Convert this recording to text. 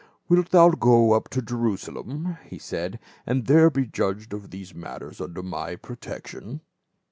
"Wilt thou go up to Jerusalem," he said, " and there be judged of these matters under my pro tection